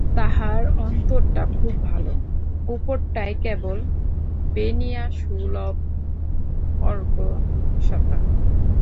তাঁহার অন্তরটা খুব ভাল, উপরটায় কেবল বেনিয়াসুলভ কর্কশতা।